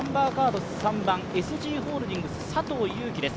３番、ＳＧホールディングス佐藤悠基です。